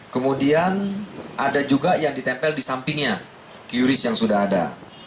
kemudian ada juga yang ditempel di sampingnya qris yang sudah ada